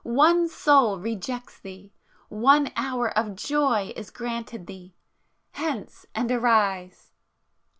One soul rejects thee,—one hour of joy is granted thee! Hence and arise!"